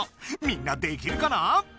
みんなできるかな？